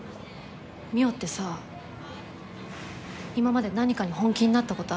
望緒ってさ今まで何かに本気になった事ある？